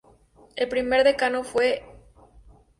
El primer decano fue el Cr.